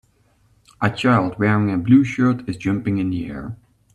A child wearing a blue shirt is jumping in the air.